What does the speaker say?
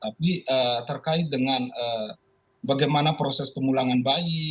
tapi terkait dengan bagaimana proses pemulangan bayi